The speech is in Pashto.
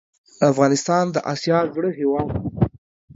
افغانستان د اسیا زړه هیواد ده